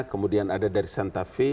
kemudian ada dari santa fe